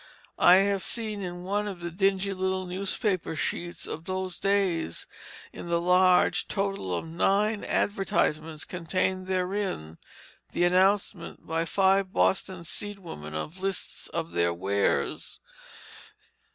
I have seen in one of the dingy little newspaper sheets of those days, in the large total of nine advertisements, contained therein, the announcements, by five Boston seedswomen, of lists of their wares.